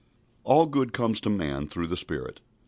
All good comes to man through the Spirit.